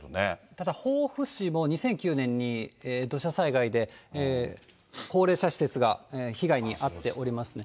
ただ防府市も、２００９年に土砂災害で高齢者施設が被害に遭っておりますね。